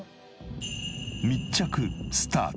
密着スタート。